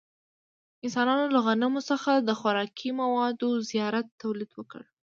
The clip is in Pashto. انسانانو له غنمو څخه د خوراکي موادو زیات تولید وکړ.